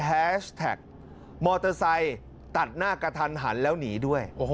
แฮชแท็กมอเตอร์ไซค์ตัดหน้ากระทันหันแล้วหนีด้วย